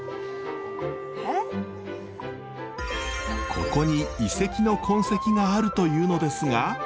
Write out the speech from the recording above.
ここに遺跡の痕跡があるというのですが。